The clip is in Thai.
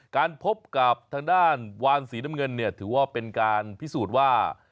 การพบกับทางด้านวานสีน้ำเงินเนี่ยถือว่าเป็นการพิสูจน์ว่า